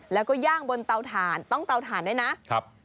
แล้วก็ย่างบนเตาถ่านต้องเตาถ่านด้วยนะครับ